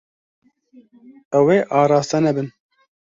Ew ê araste nebin.